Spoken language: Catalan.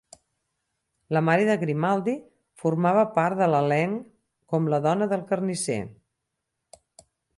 La mare de Grimaldi formava part de l'elenc, com la dona del carnisser.